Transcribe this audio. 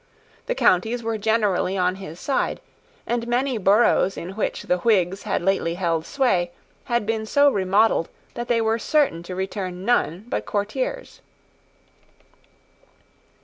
The counties were generally on his side; and many boroughs in which the Whigs had lately held sway had been so remodelled that they were certain to return none but courtiers.